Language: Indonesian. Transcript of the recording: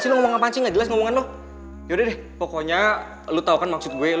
sih ngomong apaan sih nggak jelas ngomongan lo yaudah pokoknya lu tahu kan maksud gue